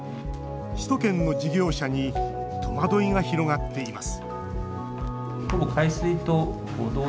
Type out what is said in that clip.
首都圏の事業者に戸惑いが広がっています